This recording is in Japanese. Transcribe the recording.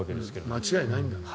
間違いないんだ。